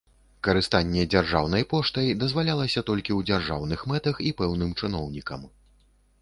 Карыстанне дзяржаўнай поштай дазвалялася толькі ў дзяржаўных мэтах і пэўным чыноўнікам.